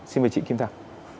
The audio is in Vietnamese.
xin mời chị kim thảo